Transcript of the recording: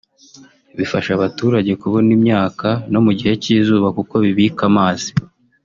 bifasha abaturage kubona imyaka no mu gihe cy’izuba kuko bibika amazi